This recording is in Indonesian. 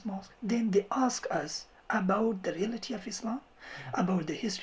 mereka bertanya kepada kami tentang realitas islam tentang sejarah masjid ini